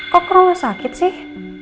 kok ke rumah sakit sih